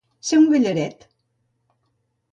Ser un gallaret.